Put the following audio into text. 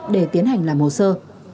để tiến hành làm hồ sơ